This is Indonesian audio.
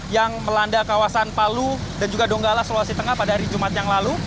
yang melanda kawasan palu dan juga donggala sulawesi tengah pada hari jumat yang lalu